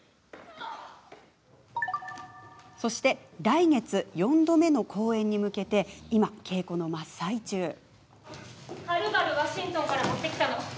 そして来月４度目の公演に向けて今、稽古の真っ最中です。